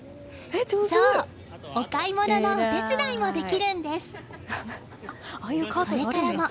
そう、お買い物のお手伝いもできるんです！